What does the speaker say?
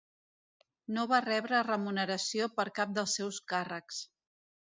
No va rebre remuneració per cap del seus càrrecs.